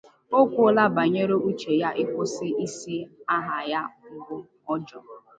O kwuola banyere uche ya ịkwụsị isa aha di ya mbụ, Ojo.